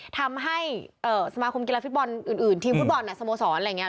ทำให้สมาคมกีฬาฟุตบอลอื่นทีมฟุตบอลสโมสรอะไรอย่างนี้